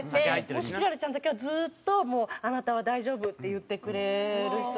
星キララちゃんだけはずっともう「あなたは大丈夫」って言ってくれる人で。